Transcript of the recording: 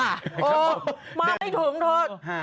เออมาไม่ถึงเธอ